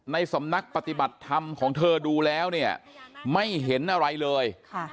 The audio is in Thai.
ในสำนักปฏิบัติธรรมของเธอดูแล้วเนี่ยไม่เห็นอะไรเลย